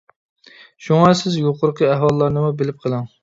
شۇڭا سىز يۇقىرىقى ئەھۋاللارنىمۇ بىلىپ قېلىڭ.